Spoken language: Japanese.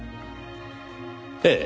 ええ。